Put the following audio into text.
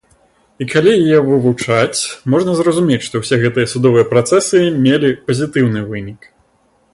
І калі яе вывучыць, можна зразумець, што ўсе гэтыя судовыя працэсы мелі пазітыўны вынік.